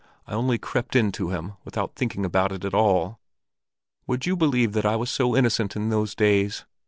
I only crept in to him, without thinking about it at all. Would you believe that I was so innocent in those days?